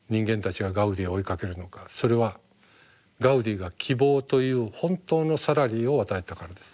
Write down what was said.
それはガウディが希望という本当のサラリーを与えたからです。